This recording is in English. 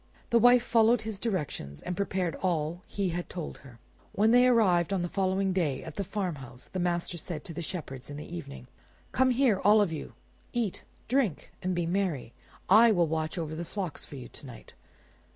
The wife followed his directions and prepared all that he had told her. When they arrived on the following day at the farmhouse, the master said to the shepherds in the evening— "Come here, all of you; eat, drink, and be merry. I will watch over the flocks for you to night."